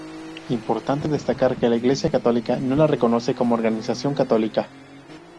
Importante destacar que la iglesia católica no la reconoce como organización católica.